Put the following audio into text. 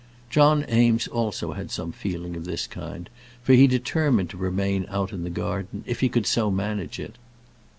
John Eames also had some feeling of this kind, for he determined to remain out in the garden, if he could so manage it.